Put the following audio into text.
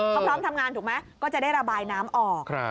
เขาพร้อมทำงานถูกไหมก็จะได้ระบายน้ำออก